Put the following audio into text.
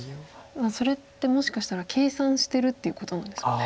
それってもしかしたら計算してるっていうことなんですかね。